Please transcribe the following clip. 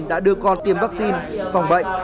đã đưa con tiêm vaccine phòng bệnh